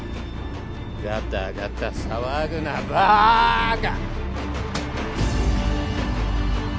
ガタガタ騒ぐなバーカ！